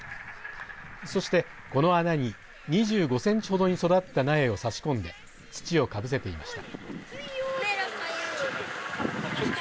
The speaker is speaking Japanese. そして、この穴に２５センチほどに育った苗を差し込んで土をかぶせていました。